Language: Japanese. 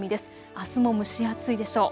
あすも蒸し暑いでしょう。